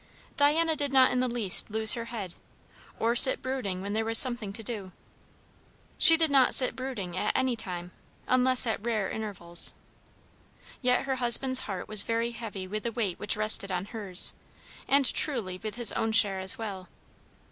Diana did not in the least lose her head, or sit brooding when there was something to do. She did not sit brooding at any time, unless at rare intervals. Yet her husband's heart was very heavy with the weight which rested on hers, and truly with his own share as well.